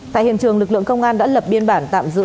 tại hiện trường lực lượng công an đã lập biên bản tạm giữ